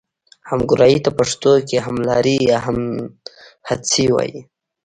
همګرایي ته پښتو کې هملاري یا همهڅي وايي.